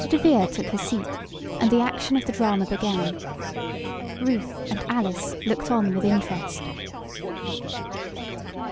DeVere took his seat, and the action of the drama began. Ruth and Alice looked on with interest.